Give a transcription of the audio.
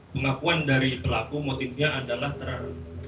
pengakuan dari pelaku motifnya adalah ter